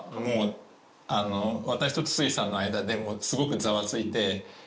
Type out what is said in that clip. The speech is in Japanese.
もう私と筒井さんの間ですごくざわついて。